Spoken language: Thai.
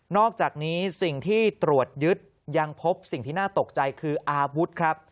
อกจากนี้สิ่งที่ตรวจยึดยังพบสิ่งที่น่าตกใจคืออาวุธครับ